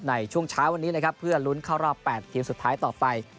ในช่วงเช้าวันนี้นะครับเพื่อลุ้นเข้ารอบ๘ทีมสุดท้ายต่อไป